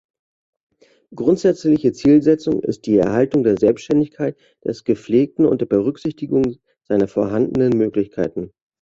Grundsätzliche Zielsetzung ist die Erhaltung der Selbständigkeit des Gepflegten unter Berücksichtigung seiner vorhandenen Möglichkeiten.